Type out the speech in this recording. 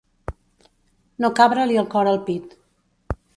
No cabre-li el cor al pit.